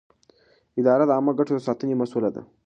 اداره د عامه ګټو د ساتنې مسووله ده.